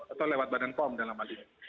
atau lewat badan pom dalam hal ini